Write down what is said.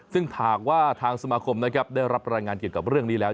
ซึ่งหากว่าทางสมาคมนะครับได้รับรายงานเกี่ยวกับเรื่องนี้แล้ว